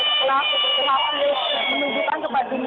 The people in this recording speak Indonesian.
telah berhasil menunjukkan kepada dunia